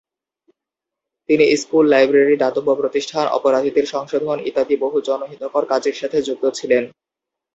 তিনি school, library, দাতব্য প্রতিষ্ঠান, অপরাধীদের সংশোধন ইত্যাদি বহু জনহিতকর কাজের সাথে যুক্ত ছিলেন।